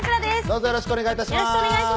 どうぞよろしくお願い致します